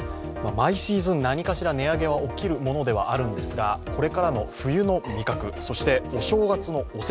毎シーズン何かしら値上げは起きるものではあるんですがこれからの冬の味覚、そしてお正月のお節。